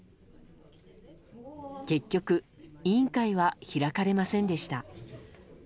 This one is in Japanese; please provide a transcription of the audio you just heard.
結局、委員会は開かれませんでした。